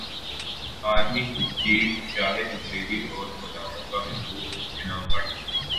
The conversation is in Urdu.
ارمی چیفشاہد افریدی اور مداحوں کا مشکور ہوں انعام بٹ